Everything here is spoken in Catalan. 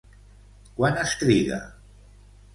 Quan es triga?